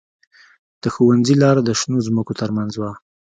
د ښوونځي لاره د شنو ځمکو ترمنځ وه